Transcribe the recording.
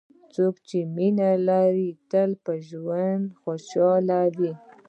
څوک چې مینه لري، تل په ژوند خوشحال وي.